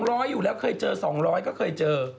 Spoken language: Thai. ร้อยอยู่แล้วเคยเจอ๒๐๐ก็เคยเจอ